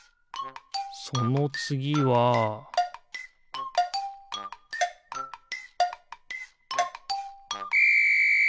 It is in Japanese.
そのつぎはピッ！